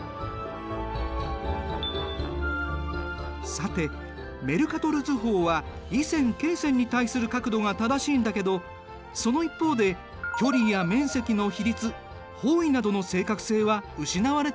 さてメルカトル図法は緯線・経線に対する角度が正しいんだけどその一方で距離や面積の比率方位などの正確性は失われているんだ。